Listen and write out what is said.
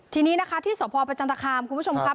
ทีนี้นะคะที่สวทธิ์พอร์ประจันทราคารคุณผู้ชมครับ